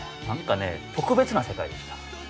何かね特別な世界でした。